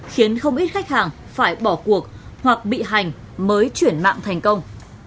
khiến không ít khách hàng phải bỏ cuộc hoặc bị hành mới chuyển mạng thành công